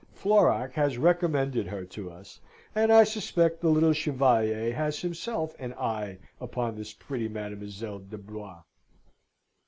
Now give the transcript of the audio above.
(Florac has recommended her to us, and I suspect the little Chevalier has himself an eye upon this pretty Mademoiselle de Blois.)